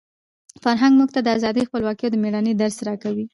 فرهنګ موږ ته د ازادۍ، خپلواکۍ او د مېړانې درس راکوي.